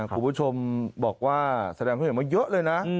คุณผู้ชมบอกว่าแสดงความเห็นว่าเยอะเลยนะ